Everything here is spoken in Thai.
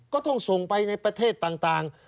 ก็ต้องส่งไปในประเทศต่าง